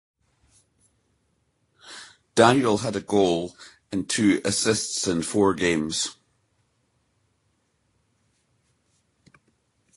Daniel had a goal and two assists in four games.